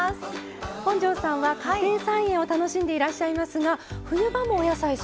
本上さんは家庭菜園を楽しんでいらっしゃいますが冬場もお野菜育てているんですか？